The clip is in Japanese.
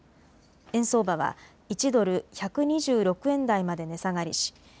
円相場は１ドル１２６円台まで値下がりし